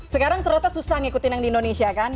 sekarang ternyata susah ngikutin yang di indonesia kan